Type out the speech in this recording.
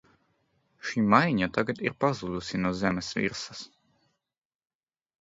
Šī mājiņa tagad ir pazudusi no zemes virsas.